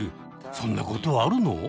そんなことあるの！？